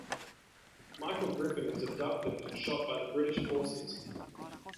Michael Griffin was abducted and shot by the British forces.